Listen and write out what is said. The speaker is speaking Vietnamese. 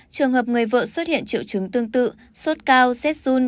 trường hợp người vợ xuất hiện triệu chứng tương tự sốt cao z zun